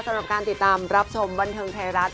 ของการติดตามรับชมบันเทิงไทยรัฐ